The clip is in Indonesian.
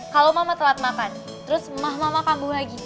kalo mama telat makan terus mah mama kambuh lagi